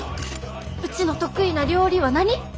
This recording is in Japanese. うちの得意な料理は何？